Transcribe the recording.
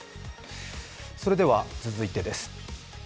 それでは続いてです。